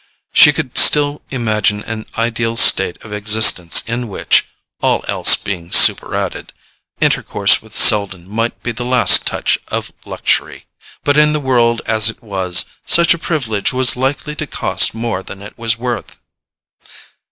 She could still imagine an ideal state of existence in which, all else being superadded, intercourse with Selden might be the last touch of luxury; but in the world as it was, such a privilege was likely to cost more than it was worth.